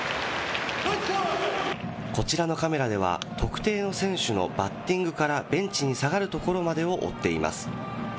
こちらのカメラでは、特定の選手のバッティングから、ベンチに下がるところまでを追っています。